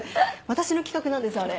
私の企画なんですあれ。